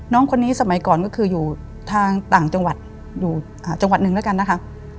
น้องคนนี้สมัยก่อนก็คืออยู่ทางต่างจังหวัดอยู่จังหวัดหนึ่งแล้วกันนะคะ